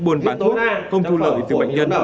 buồn bán thuốc không thu lợi từ bệnh nhân